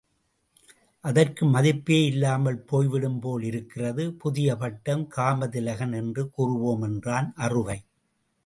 அதற்கு மதிப்பே இல்லாமல் போய்விடும் போல் இருக்கிறது புதிய பட்டம் காமதிலகன் என்று கூறுவோம் என்றான் அறுவை.